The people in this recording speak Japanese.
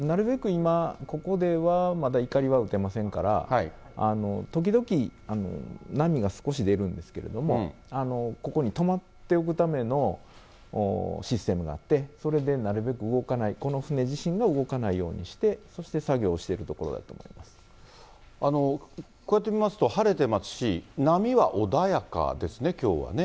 今ここではまだいかりは受けませんから、時々波が少し出るんですけれども、ここに止まっておくためのシステムがあって、それでなるべく動かない、この船自身が動かないようにして、そして作業をしているところだとこうやって見ますと、晴れてますし、波は穏やかですね、きょうはね。